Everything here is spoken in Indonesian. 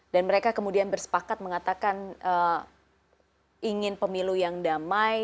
dan mereka kemudian bersepakat mengatakan ingin pemilu yang damai